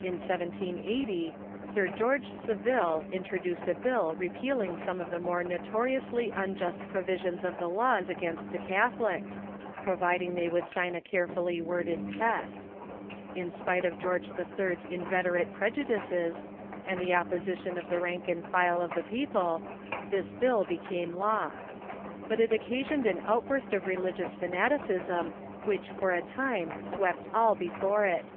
In 1780 Sir George Sav ille introduced a bill repealing some of the more notoriously unjust provisions of the laws against the Catholics, providing they would sign a carefully worded test. In spite of George III.'s inveterate prejudices, and the opposition of ROMAX CATIIOLTCISM IX ENGLAND 395 the rank and file of tlic people, tliis bill became law. But it occasioned an outburst of religious fanaticism AvhicU for a time swept all before it.